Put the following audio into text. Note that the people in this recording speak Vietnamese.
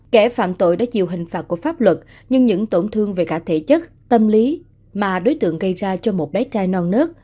kẻ phạm tội đã chịu hình phạt của pháp luật nhưng những tổn thương về cả thể chất tâm lý mà đối tượng gây ra cho một bé trai non nớt